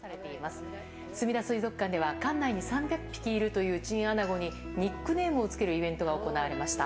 すみだ水族館では、館内に３００匹いるというチンアナゴに、ニックネームを付けるイベントが行われました。